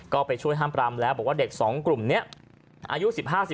ก็ไปช่วยห้ามปรามแล้วบอกว่าเด็ก๒กลุ่มนี้อายุ๑๕